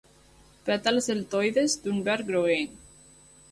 Pètals deltoides, d'un verd groguenc.